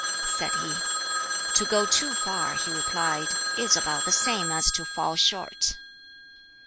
said he. "To go too far," he replied, "is about the same as to fall short."